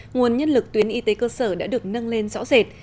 nguồn nhân lực tuyến y tế cơ sở đã được nâng lên rõ rệt